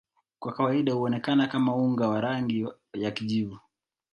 Kwa kawaida huonekana kama unga wa rangi ya kijivu.